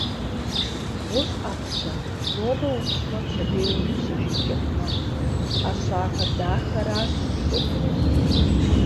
ГъущӀ Ӏэпщэ, нобэ упщмэ, пщэдей умыпщыжынкӀэ мэхъу. Ӏэщагъэ дахэращ мыкӀуэдынур!